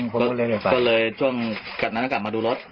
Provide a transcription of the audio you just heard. ก็เลยช่วงจัดการมาดูรถ